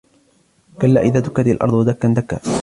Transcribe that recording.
كَلَّا إِذَا دُكَّتِ الْأَرْضُ دَكًّا دَكًّا